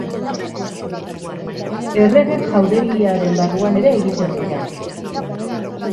Errege jauregiaren barruan ere egiten dira.